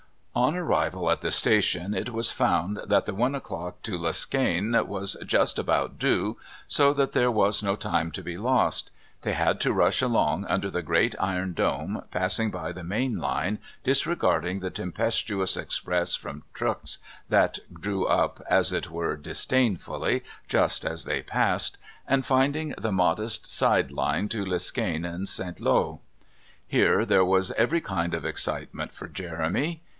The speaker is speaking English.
On arrival at the station it was found that the one o'clock to Liskane was "just about due," so that there was no time to be lost. They had to rush along under the great iron dome, passing by the main line, disregarding the tempestuous express from Truxe that drew up, as it were disdainfully, just as they passed, and finding the modest side line to Liskane and St. Lowe. Here there was every kind of excitement for Jeremy.